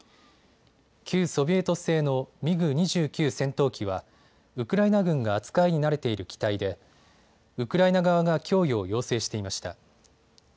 旧ソビエト製のミグ２９戦闘機はウクライナ軍が扱いに慣れている機体でウクライナ側が供与を要請していました。